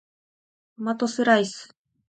トマトスライス